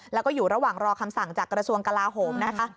แล้วก็อยู่ระหว่างรอคำสั่งจากกระทรวงกลาโหมนะคะ